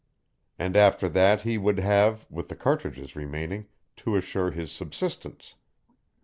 And after that he would have, with the cartridges remaining, to assure his subsistence.